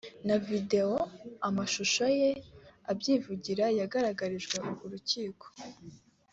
na video (amashusho) ye abyivugira yagaragarijwe urukiko